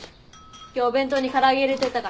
今日お弁当に唐揚げ入れといたから。